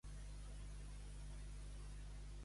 Anar-se'n amb Nostre Senyor.